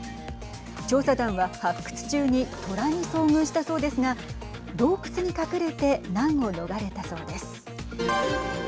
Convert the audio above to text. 調査団は発掘中に虎に遭遇したそうですが洞窟に隠れて難を逃れたそうです。